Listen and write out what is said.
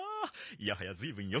いやはやずいぶんよ